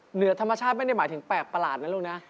เหนือธรรมชาติไม่ได้หมายถึงแปลกประหลาดนะลูกนะ